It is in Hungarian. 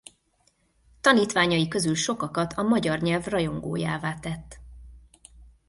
Tanítványai közül sokakat a magyar nyelv rajongójává tett.